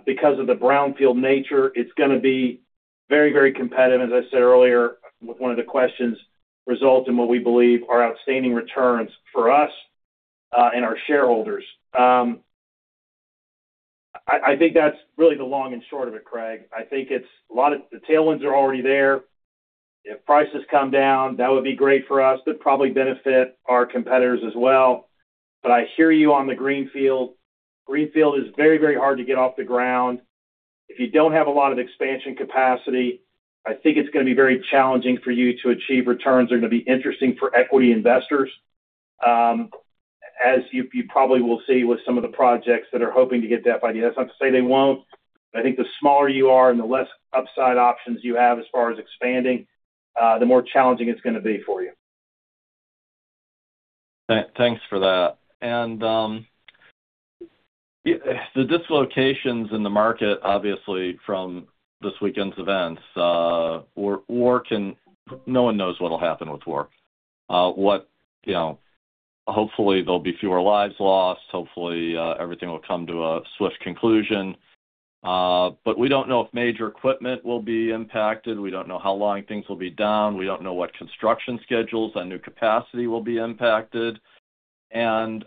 because of the brownfield nature. It's gonna be very, very competitive, as I said earlier with one of the questions, result in what we believe are outstanding returns for us and our shareholders. I think that's really the long and short of it, Craig Shere. I think a lot of the tailwinds are already there. If prices come down, that would be great for us. That'd probably benefit our competitors as well. I hear you on the greenfield. Greenfield is very, very hard to get off the ground. If you don't have a lot of expansion capacity, I think it's gonna be very challenging for you to achieve returns that are gonna be interesting for equity investors, as you probably will see with some of the projects that are hoping to get that FID. That's not to say they won't. I think the smaller you are and the less upside options you have as far as expanding, the more challenging it's gonna be for you. Thanks for that. The dislocations in the market, obviously from this weekend's events, war can-- No one knows what'll happen with war. What, you know. Hopefully, there'll be fewer lives lost. Hopefully, everything will come to a swift conclusion. We don't know if major equipment will be impacted. We don't know how long things will be down. We don't know what construction schedules on new capacity will be impacted. So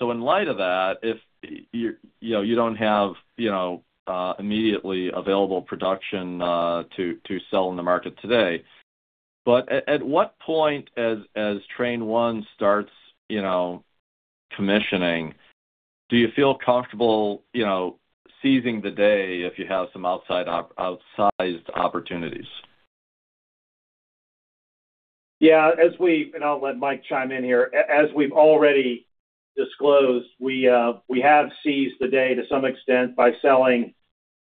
in light of that, you know, you don't have, you know, immediately available production to sell in the market today. At what point as train one starts, you know, commissioning, do you feel comfortable, you know, seizing the day if you have some outsized opportunities? I'll let Mike chime in here. As we've already disclosed, we have seized the day to some extent by selling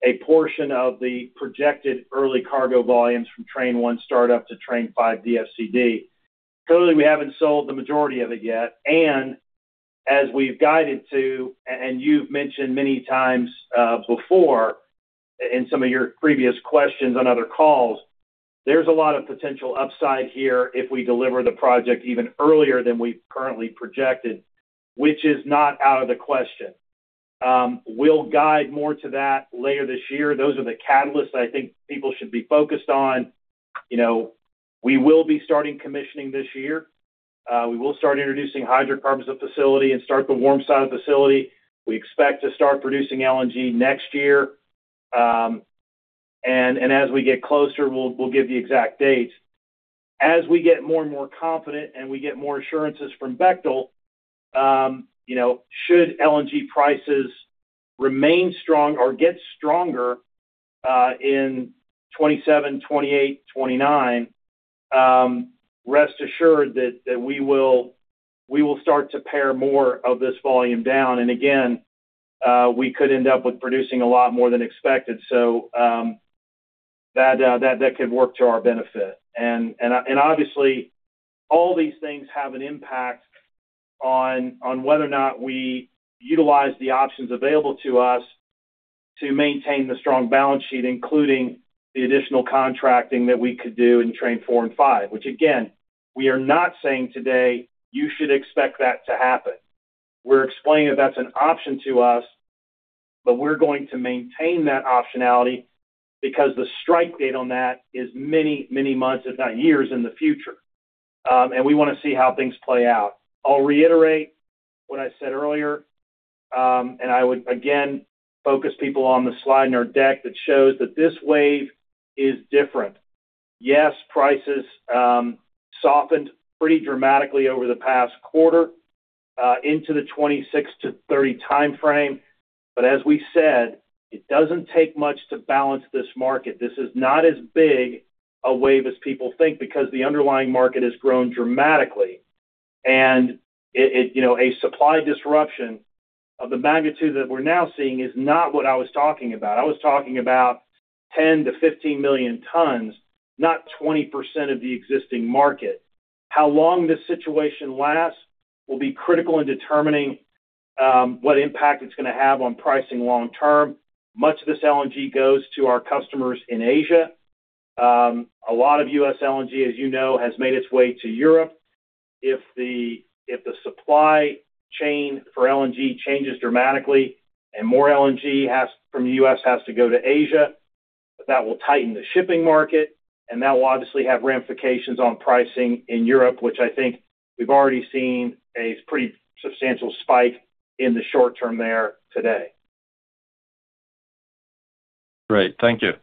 a portion of the projected early cargo volumes from Train one start-up to Train five DFCD. Clearly, we haven't sold the majority of it yet. As we've guided to, you've mentioned many times before in some of your previous questions on other calls, there's a lot of potential upside here if we deliver the project even earlier than we've currently projected, which is not out of the question. We'll guide more to that later this year. Those are the catalysts I think people should be focused on. You know, we will be starting commissioning this year. We will start introducing hydrocarbons at facility and start the warm side of the facility. We expect to start producing LNG next year. As we get closer, we'll give the exact date. As we get more and more confident and we get more assurances from Bechtel, you know, should LNG prices remain strong or get stronger in 2027, 2028, 2029, rest assured that we will start to pare more of this volume down. Again, we could end up with producing a lot more than expected. That could work to our benefit. Obviously, all these things have an impact on whether or not we utilize the options available to us to maintain the strong balance sheet, including the additional contracting that we could do in train four and five, which again, we are not saying today you should expect that to happen. We're explaining that that's an option to us, but we're going to maintain that optionality because the strike date on that is many, many months, if not years in the future. We wanna see how things play out. I'll reiterate what I said earlier, and I would again focus people on the slide in our deck that shows that this wave is different. Yes, prices softened pretty dramatically over the past quarter, into the 26 to 30 timeframe. As we said, it doesn't take much to balance this market. This is not as big a wave as people think because the underlying market has grown dramatically. It, you know, a supply disruption of the magnitude that we're now seeing is not what I was talking about. I was talking about 10 million-15 million tons, not 20% of the existing market. How long this situation lasts will be critical in determining what impact it's gonna have on pricing long term. Much of this LNG goes to our customers in Asia. A lot of U.S. LNG, as you know, has made its way to Europe. If the supply chain for LNG changes dramatically and more LNG from the U.S. has to go to Asia, that will tighten the shipping market, and that will obviously have ramifications on pricing in Europe, which I think we've already seen a pretty substantial spike in the short term there today. Great. Thank you.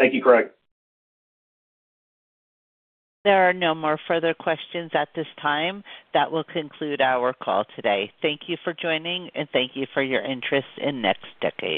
Thank you, Greg. There are no more further questions at this time. That will conclude our call today. Thank you for joining, and thank you for your interest in NextDecade.